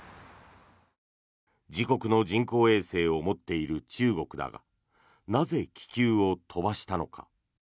自国の人工衛星を持っている中国だがなぜ、気球を飛ばしたのか。